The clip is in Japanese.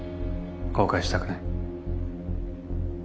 後悔したくない。